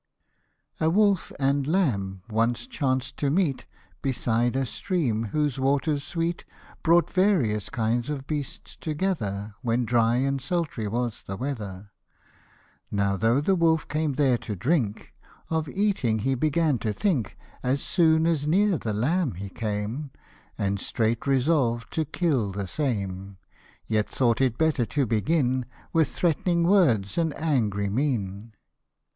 A WOLF and lamb once chanced to meet Beside a stream, whose waters sweet Brought various kinds of beasts together, * When dry and sultry was the weather ; Now though the wolf came there to drink, Of eating he began to think, As soon as near the lamb he came, And straight resolved to kill the same; Yet thought it better to begin With threat'ning words and angry mien.